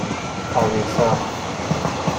آویسا